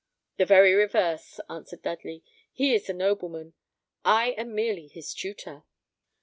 "The very reverse," answered Dudley; "he is the nobleman, I am merely his tutor."